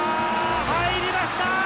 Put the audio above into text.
入りました！